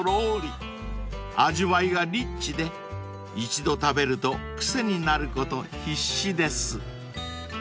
［味わいがリッチで１度食べると癖になること必至です］